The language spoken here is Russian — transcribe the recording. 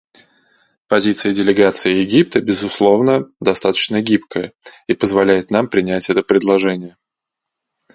Позиция делегации Египта, безусловно, достаточно гибкая и позволяет нам принять это предложение.